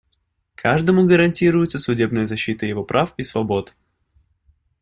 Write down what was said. Каждому гарантируется судебная защита его прав и свобод.